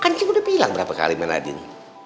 kan cing udah bilang berapa kali manadine